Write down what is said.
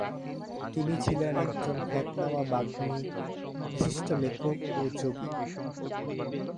তিনি ছিলেন একজন খ্যাতনামা বাগ্মী, বিশিষ্ট লেখক ও যোগী।